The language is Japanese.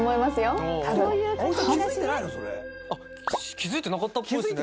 気付いてなかったっぽいですね。